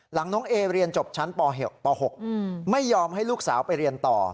น้องเอเรียนจบชั้นป๖ไม่ยอมให้ลูกสาวไปเรียนต่อ